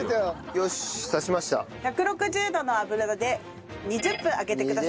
１６０度の油で２０分揚げてください。